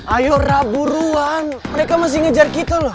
ayo rara buruan mereka masih ngejar kita loh